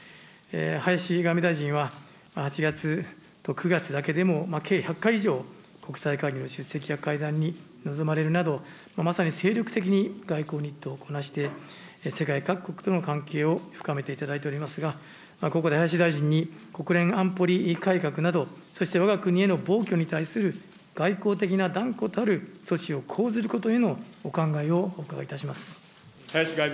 林外務大臣は８月と９月だけでも計１００回以上、国際会議の出席や会談に臨まれるなど、まさに精力的に外交日程をこなして、世界各国との関係を深めていただいておりますが、ここで林大臣に、国連安保理改革など、そしてわが国への暴挙に対する外交的な断固たる措置を講ずること林外務大臣。